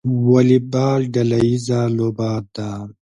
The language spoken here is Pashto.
والیبال ډله ییزه لوبه ده